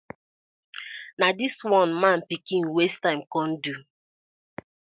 Na dis one man pikin waste time kom do?